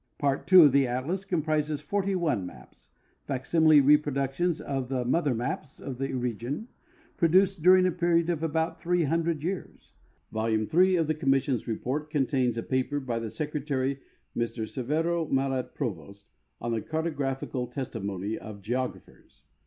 Part II of the atlas comprises 41 maps, facsimile reproductions of the "mother maps" of the region — produced during a i)eriod of about 300 years. Volume 3 of the commission's report con tains a ])aper b} ^ the secretary, Mr Severe Mallet Prevost, on the Cartographical Testimony of Geographers.